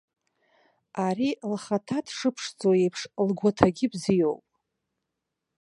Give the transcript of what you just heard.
Ари, лхаҭа дшыԥшӡоу еиԥш, лгәаҭагьы бзиоуп.